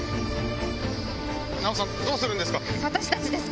奈緒さんどうするんですか？